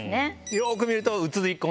よく見ると。